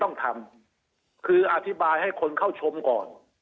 ก็มันเป็นงานจำกันเลยอย่ากลับขึ้นไปทันแต่คิดว่า